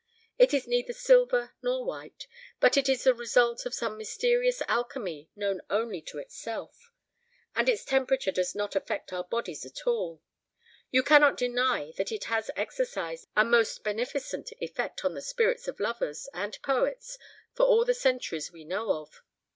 It is neither silver nor white, but is the result of some mysterious alchemy known only to itself. And its temperature does not affect our bodies at all. You cannot deny that it has exercised a most beneficent effect on the spirits of lovers and poets for all the centuries we know of.